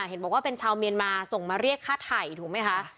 เห็นบอกว่าเป็นชาวเมียนมาส่งมาเรียกค่าไถ่ถูกไหมคะ